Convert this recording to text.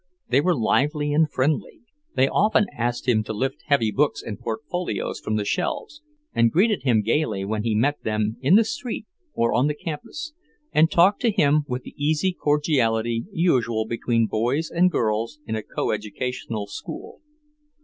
They were lively and friendly; they often asked him to lift heavy books and portfolios from the shelves, and greeted him gaily when he met them in the street or on the campus, and talked to him with the easy cordiality usual between boys and girls in a co educational school.